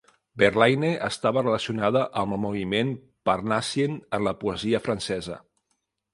Verlaine estava relacionada amb el moviment Parnassien en la poesia francesa.